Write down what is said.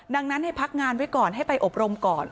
ดังนั้นให้พักงานไว้ก่อนให้ไปอบรมก่อน